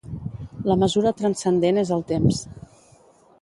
La mesura transcendent és el temps.